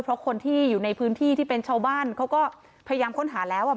เพราะคนที่อยู่ในพื้นที่ที่เป็นชาวบ้านเขาก็พยายามค้นหาแล้วอ่ะ